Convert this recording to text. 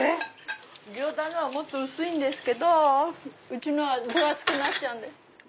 行田のはもっと薄いんですけどうちのは分厚くなっちゃうんです。